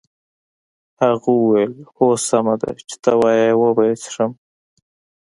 هغه وویل هو سمه ده چې ته وایې وبه یې څښم.